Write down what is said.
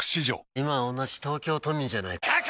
今は同じ東京都民じゃないか。